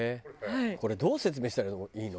これどう説明したらいいの？